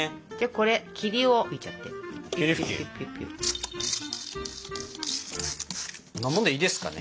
こんなもんでいいですかね？